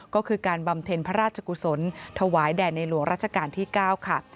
ก็คือการบำเพ็ญพระราชกุศลถวายแด่ในหลวงราชการที่๙ค่ะ